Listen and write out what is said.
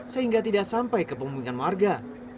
sehingga tidak sampai ke pemukiman warga